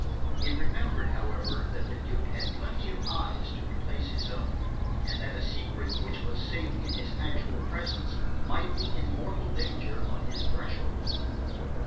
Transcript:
He remembered, however, that the Duke had plenty of eyes to replace his own, and that a secret which was safe in his actual presence might be in mortal danger on his threshold.